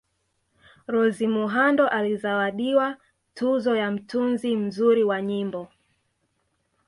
Rose Muhando alizawadiwa tuzo ya Mtunzi mzuri wa nyimbo